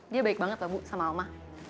dia baik banget loh bu sama alma